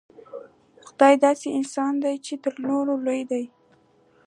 خدای داسې انسان دی چې تر نورو لوی دی.